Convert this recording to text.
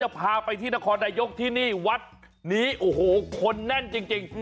พาไปที่นครนายกที่นี่วัดนี้โอ้โหคนแน่นจริง